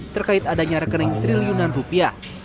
terkait adanya rekening triliunan rupiah